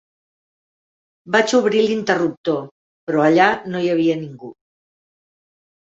Vaig obrir l'interruptor, però allà no hi havia ningú.